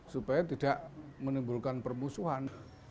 supaya tidak menimbulkan permusuhan